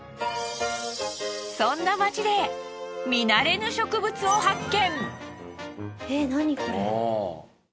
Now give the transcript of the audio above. そんな街で見慣れぬ植物を発見。